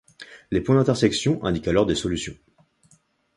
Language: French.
Les points d'intersection indiquent alors des solutions.